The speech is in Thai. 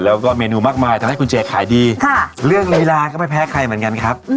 แล้วก็เมนูมากมายทำให้คุณเจขายดีเรื่องลีลาก็ไม่แพ้ใครเหมือนกันครับ